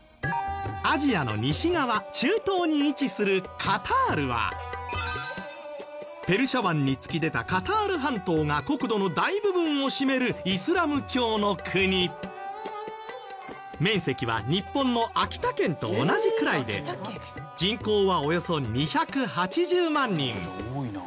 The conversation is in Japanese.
アジアの西側中東に位置するカタールはペルシャ湾に突き出たカタール半島が国土の大部分を占める面積は日本の秋田県と同じくらいで人口はおよそ２８０万人。